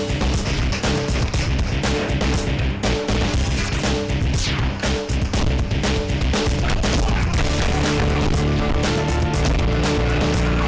iya teman saya lagi ngejar malingnya